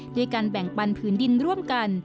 ด้วยการแบ่งปันผืนดินร่วมกัน